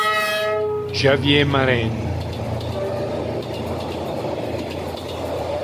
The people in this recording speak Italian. Javier Marín